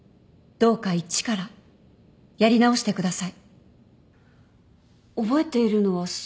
「どうか一からやり直してください」